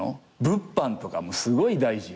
物販とかもすごい大事やん。